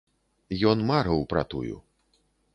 Ён марыў пра тую.